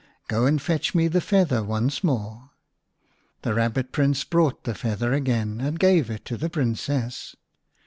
" Go and fetch me the feather once more." The Eabbit Prince brought the feather again, and gave it to the Princess.